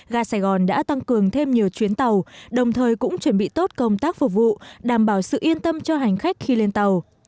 gà sài gòn đã tăng cường thêm nhiều chuyến tàu đồng thời cũng chuẩn bị tốt công tác phục vụ đảm bảo sự yên tâm cho hành khách khi lên tàu